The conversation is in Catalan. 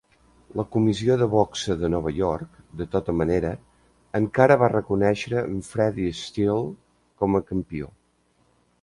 La comissió de boxa de Nova York, de tota manera, encara va reconèixer Freddie Steele com a campió.